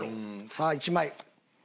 さあ１枚。